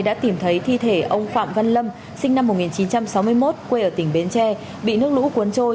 đã tìm thấy thi thể ông phạm văn lâm sinh năm một nghìn chín trăm sáu mươi một quê ở tỉnh bến tre bị nước lũ cuốn trôi